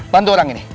bantu orang ini